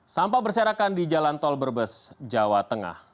sampah berserakan di jalan tol brebes jawa tengah